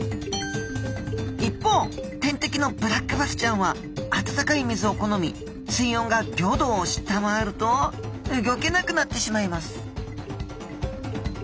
一方天敵のブラックバスちゃんは温かい水を好み水温が５℃を下回るとうギョけなくなってしまいます